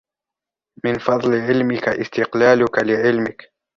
مِنْ فَضْلِ عِلْمِك اسْتِقْلَالُك لِعِلْمِك